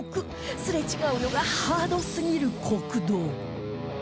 すれ違うのがハードすぎる国道